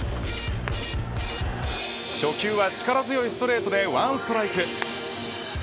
初球は力強いストレートで１ストライク。